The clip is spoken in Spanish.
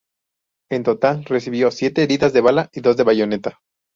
En total recibió siete heridas de bala y dos de bayoneta.